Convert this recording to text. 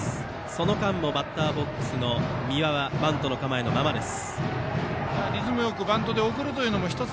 その間もバッターボックスはバントの構えのままです。